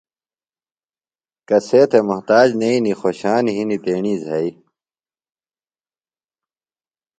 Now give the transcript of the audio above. کسے تھےۡ محتاج نئینیۡ، خوشان ہِنیۡ تیݨی زھئیۡ